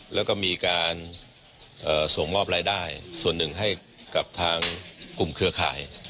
แล้วก็มีการส่งมอบรายได้ส่วนหนึ่งให้กับทางกลุ่มเครือข่าย